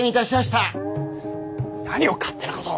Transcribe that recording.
何を勝手なことを。